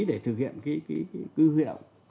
để thực hiện cái huy động